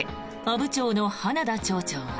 阿武町の花田町長は。